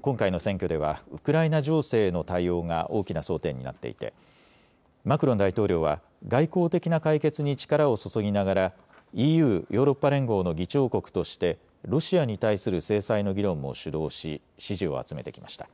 今回の選挙ではウクライナ情勢への対応が大きな争点になっていてマクロン大統領は外交的な解決に力を注ぎながらＥＵ・ヨーロッパ連合の議長国としてロシアに対する制裁の議論も主導し、支持を集めてきました。